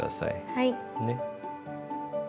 はい。